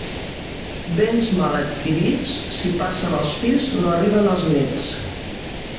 Béns mal adquirits, si passen als fills, no arriben als néts.